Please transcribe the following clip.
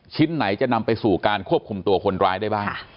ชิ้นไหนจะนำไปสู่การควบคุมตัวคนร้ายได้บ้าง